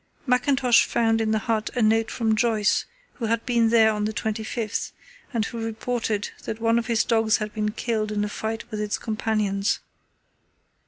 Mackintosh found in the hut a note from Joyce, who had been there on the 25th, and who reported that one of his dogs had been killed in a fight with its companions.